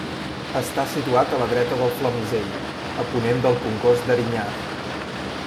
Està situat a la dreta del Flamisell, a ponent del Congost d'Erinyà.